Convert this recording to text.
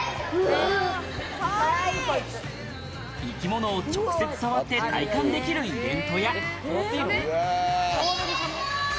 生き物を直接触って体感できるイベントや。